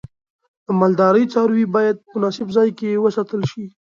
د مالدارۍ څاروی باید په مناسب ځای کې وساتل شي.